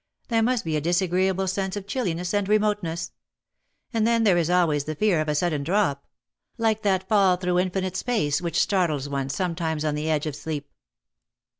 There must be a dis agreeable sense of chilliness and remoteness; and then there is always the fear of a sudden drop ; like that fall through infinite space which startles one sometimes on the edge of sleep.''